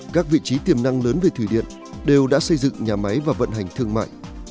các vị trí tiềm năng lớn về thủy điện đều đã xây dựng nhà máy và vận hành thương mại